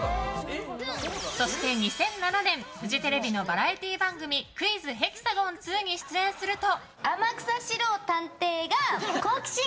そして、２００７年フジテレビのバラエティー番組「クイズ！ヘキサゴン２」に出演すると。